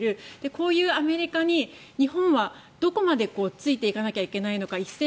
こういうアメリカに日本はどこまでついていかなきゃいけないのか。